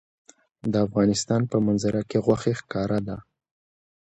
د افغانستان په منظره کې غوښې ښکاره ده.